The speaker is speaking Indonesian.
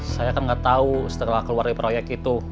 saya kan nggak tahu setelah keluar dari proyek itu